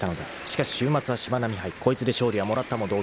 ［しかし週末はしまなみ杯こいつで勝利はもらったも同然だ］